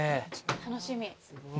楽しみ。